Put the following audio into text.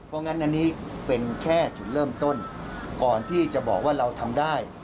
เพราะงั้นอันนี้เป็นแค่จุดเริ่มต้นก่อนที่จะบอกว่าเราทำได้